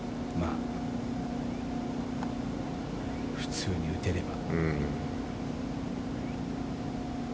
普通に打てれば。